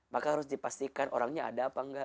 maka harus dipastikan orangnya ada apa enggak